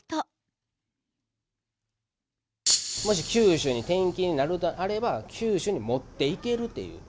もし九州に転勤になれば、九州に持っていけるっていう。